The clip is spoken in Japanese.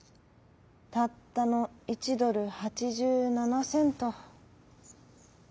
たったの１ドル８７セント。